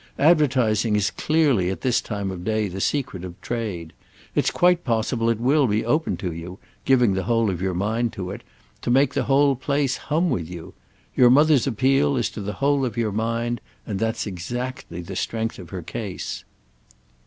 Advertising is clearly at this time of day the secret of trade. It's quite possible it will be open to you—giving the whole of your mind to it—to make the whole place hum with you. Your mother's appeal is to the whole of your mind, and that's exactly the strength of her case."